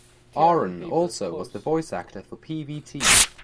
Aaron also was the voice actor for Pvt.